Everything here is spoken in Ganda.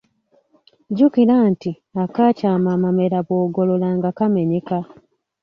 Jjukira nti "Akaakyama amamera bw’ogolola nga kamenyeka".